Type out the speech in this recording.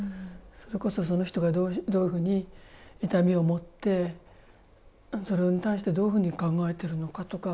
それこそ、その人がどういうふうに痛みを持ってそれに対してどういうふうに考えてるのかとか。